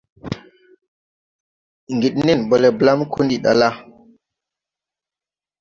Ŋgid nen ɓɔ le blam ko ndi ɗa la.